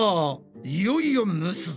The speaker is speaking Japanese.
いよいよ蒸すぞ！